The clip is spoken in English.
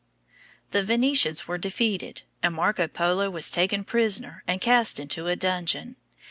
The Venetians were defeated, and Marco Polo was taken prisoner and cast into a dungeon.